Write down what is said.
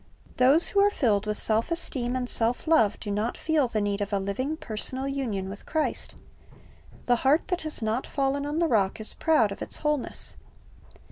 Those who are filled with self esteem and self love do not feel the need of a living, personal union with Chri.st. The heart that has not fallen on the Rock is proud of its wholeness.